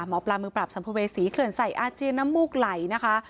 หมอปลามือปราบสัมภเวษีเขื่อนใส่อาเจียนน้ำมูกไหลนะคะ